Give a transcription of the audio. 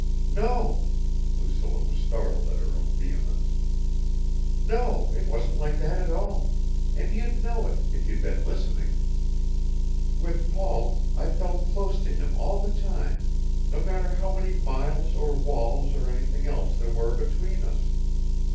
"No!" Lucilla was startled at her own vehemence. "No, it wasn't like that at all, and you'd know it, if you'd been listening. With Paul, I felt close to him all the time, no matter how many miles or walls or anything else there were between us.